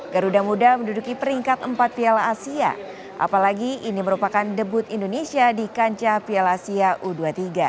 garuda muda menduduki peringkat empat piala asia apalagi ini merupakan debut indonesia di kancah piala asia u dua puluh tiga